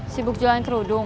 sibuk jalan kerudung